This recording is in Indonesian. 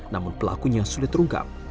namun pelakunya sulit terungkap